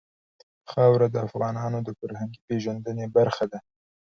خاوره د افغانانو د فرهنګي پیژندنې برخه ده.